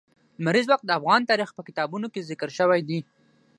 لمریز ځواک د افغان تاریخ په کتابونو کې ذکر شوی دي.